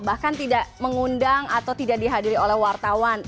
bahkan tidak mengundang atau tidak dihadiri oleh wartawan